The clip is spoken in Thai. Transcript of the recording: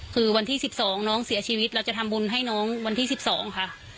คือวันที่๑๒น้องเสียชีวิตเราจะทำบุญให้น้องวันที่๑๒ค่ะ